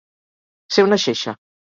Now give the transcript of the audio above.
Ser una xeixa.